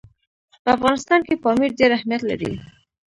په افغانستان کې پامیر ډېر اهمیت لري.